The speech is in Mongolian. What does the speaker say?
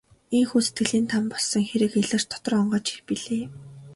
Ийнхүү сэтгэлийн там болсон хэрэг илэрч дотор онгойж билээ.